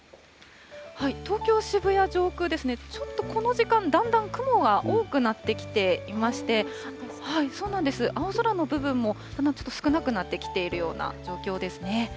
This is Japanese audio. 東京・渋谷上空ですね、ちょっとこの時間、だんだん雲が多くなってきていまして、青空の部分もちょっと少なくなってきているような状況ですね。